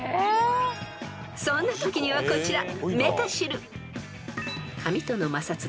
［そんなときにはこちら］